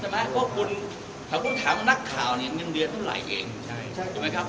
ว่าคุณถามนักข่าวเงินเดือดเงินไรครับ